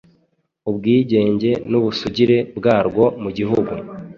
ubwigenge n’ubusugire bwarwo.mugihugu